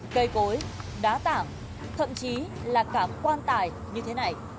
cây cối đá tảng thậm chí là cảm quan tài như thế này